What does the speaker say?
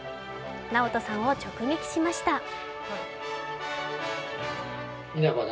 なおとさんを直撃しました。